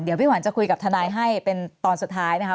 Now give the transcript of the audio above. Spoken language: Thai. เดี๋ยวพี่หวันจะคุยกับทนายให้เป็นตอนสุดท้ายนะคะ